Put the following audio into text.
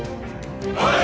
はい！